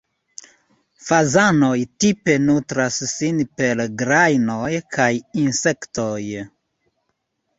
Fazanoj tipe nutras sin per grajnoj kaj insektoj.